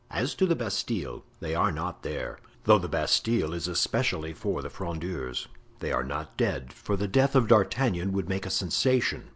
As to the Bastile, they are not there, though the Bastile is especially for the Frondeurs. They are not dead, for the death of D'Artagnan would make a sensation.